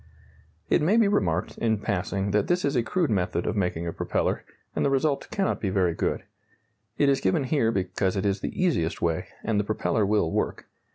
It may be remarked, in passing, that this is a crude method of making a propeller, and the result cannot be very good. It is given here because it is the easiest way, and the propeller will work.